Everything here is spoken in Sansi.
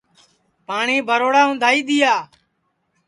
پاٹؔی بھروڑا اُندھائی دؔیا